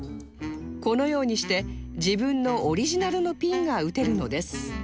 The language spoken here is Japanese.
このようにして自分のオリジナルのピンが打てるのです